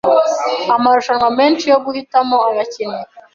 amarushanwa menshi yo guhitamo abakinnyi